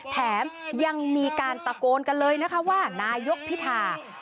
แถมยังมีการตะโกนกันเลยว่านายกพิทาริมเจริญรัฐ